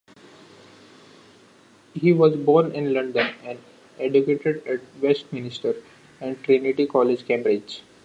He was born in London and educated at Westminster and Trinity College, Cambridge.